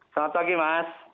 selamat pagi mas